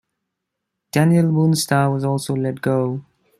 Danielle Moonstar was also let go.